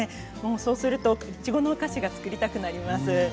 もうそうするといちごのお菓子がつくりたくなります。